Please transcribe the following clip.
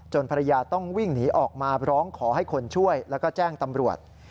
ภรรยาต้องวิ่งหนีออกมาร้องขอให้คนช่วยแล้วก็แจ้งตำรวจ